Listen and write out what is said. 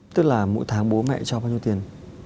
tức là mỗi tháng bố mẹ cho bao nhiêu tiền